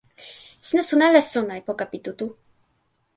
sina sona ala sona e poka pi tu tu?